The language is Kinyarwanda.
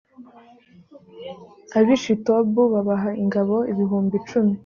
ab’ishitobu babaha ingabo ibihumbi cumi